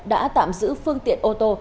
đã tạm giữ phương tiện ô tô